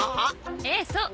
ええそう。